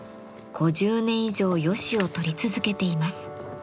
５０年以上ヨシを採り続けています。